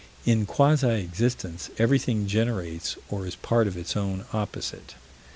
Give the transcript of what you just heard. In quasi existence, everything generates or is part of its own opposite.